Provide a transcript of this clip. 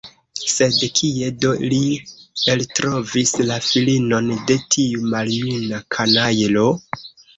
Sed kie do li eltrovis la filinon de tiu maljuna kanajlo?